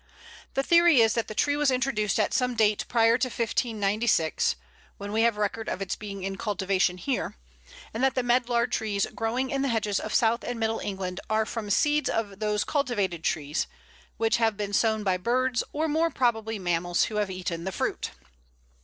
The theory is that the tree was introduced at some date prior to 1596 when we have record of its being in cultivation here and that the Medlar trees growing in the hedges of south and middle England are from seeds of these cultivated trees, which have been sown by birds, or more probably mammals who have eaten the fruit.